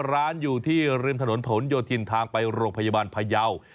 ร้านอยู่ที่ริมทนโผลยโถิ่นทางไปโรงพยาบาลพะเยา